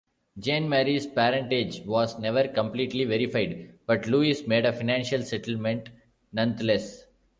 Jeanne Marie's parentage was never completely verified, but Louis made a financial settlement nonetheless.